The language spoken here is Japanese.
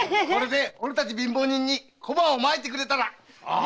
俺たち貧乏人に小判をまいてくれたら義賊ですよ！